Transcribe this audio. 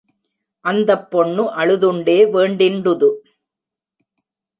அந்தப் பொண்ணு அழுதுண்டே வேண்டிண்டுது.